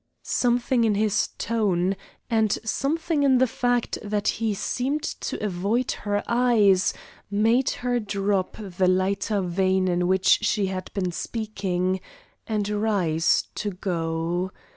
Something in his tone, and something in the fact that he seemed to avoid her eyes, made her drop the lighter vein in which she had been speaking, and rise to go.